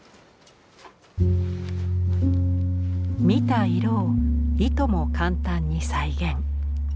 見た色をいとも簡単に再現。